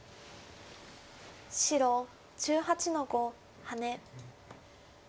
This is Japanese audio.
白１８の五ハネ。